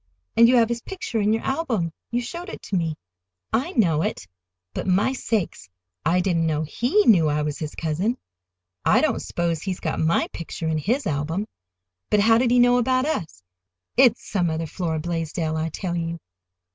"And you have his picture in your album. You showed it to me." "I know it. But, my sakes! I didn't know he knew I was his cousin. I don't s'pose he's got my picture in his album! But how did he know about us? It's some other Flora Blaisdell, I tell you."